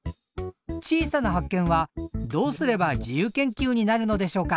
小さな発見はどうすれば自由研究になるのでしょうか？